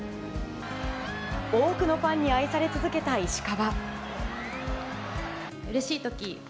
多くのファンに愛され続けた石川。